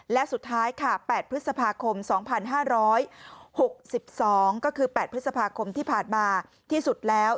และสุดท้ายค่ะ๘พฤษภาคม๒๕๖๒ก็คือ๘พฤษภาคมที่ผ่านมาที่สุดแล้ว